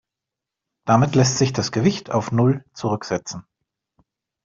Damit lässt sich das Gewicht auf null zurücksetzen.